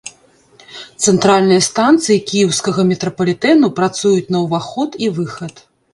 Цэнтральныя станцыі кіеўскага метрапалітэну працуюць на ўваход і выхад.